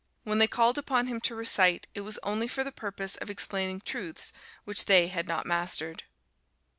When they called upon him to recite, it was only for the purpose of explaining truths which they had not mastered.